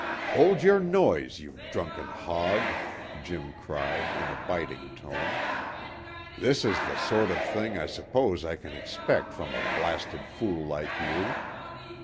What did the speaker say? "Hold your noise, you drunken hog," Jim cried in a biting tone. "This is the sort of thing I suppose I can expect from a blasted fool like you.